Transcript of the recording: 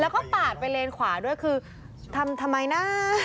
แล้วก็ปาดไปเลนขวาด้วยคือทำทำไมนะ